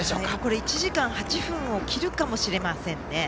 １時間８分を切るかもしれません。